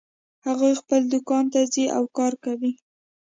هغوی خپل دوکان ته ځي او کار کوي